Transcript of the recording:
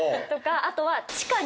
あとは。